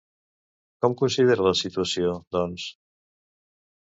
Com considera la situació, doncs?